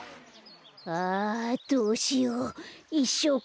あどうしよういっしょう